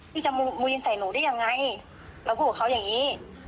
พี่จะวีนใส่หนูได้ยังไงเราพูดกับเขาอย่างนี้